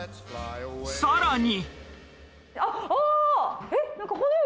さらに。